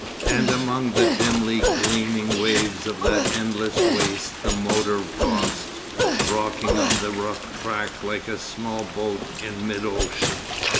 And among the dimly gleaming waves of that endless waste the motor tossed, rocking on the rough track like a small boat in mid ocean.